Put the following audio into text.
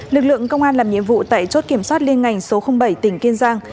lực lượng công an làm nhiệm vụ tại chốt kiểm soát liên ngành số bảy tỉnh kiên giang